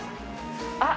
あっ。